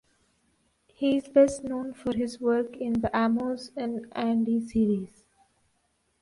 He is best known for his work in the "Amos 'n' Andy" series.